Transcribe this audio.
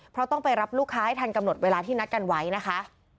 เพราะต้องไปรับลูกค้าให้ทันกำหนดเวลาที่นัดกันไว้นะคะ